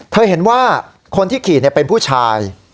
เห็นว่าคนที่ขี่เป็นผู้ชาย